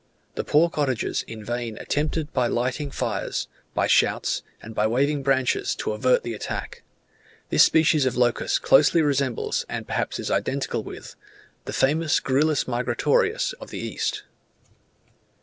The poor cottagers in vain attempted by lighting fires, by shouts, and by waving branches to avert the attack. This species of locust closely resembles, and perhaps is identical with, the famous Gryllus migratorius of the East.